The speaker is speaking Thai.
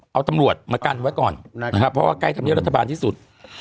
เอาตำรวจมากันไว้ก่อนนะครับเพราะว่าใกล้ธรรมเนียบรัฐบาลที่สุด